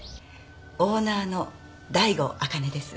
オーナーの醍醐あかねです。